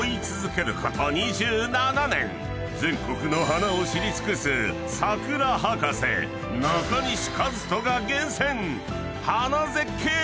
［全国の花を知り尽くす桜博士中西一登が厳選！］